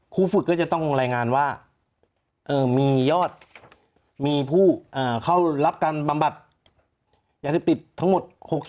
ครูฝึกก็จะต้องรายงานว่ามียอดมีผู้เข้ารับการบำบัดยาเสพติดทั้งหมด